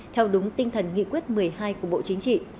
theo đúng tinh thần nghị quyết một mươi hai của bộ chính trị